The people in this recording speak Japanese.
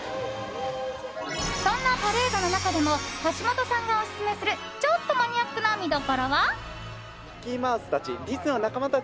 そんなパレードの中でも橋本さんがオススメするちょっとマニアックな見どころは？